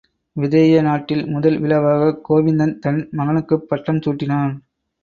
விதேய நாட்டில் முதல் விழாவாகக் கோவிந்தன் தன் மகனுக்குப் பட்டம் சூட்டினான்.